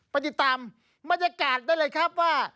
ไปติดตามบรรยากาศได้เลยครับว่า